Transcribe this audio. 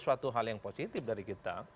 suatu hal yang positif dari kita